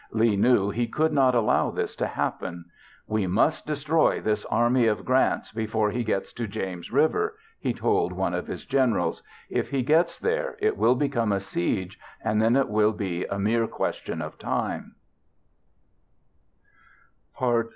Lee knew he could not allow this to happen. "We must destroy this army of Grant's before he gets to James River," he told one of his generals. "If he gets there, it will become a siege, and then it will be a mere question of time."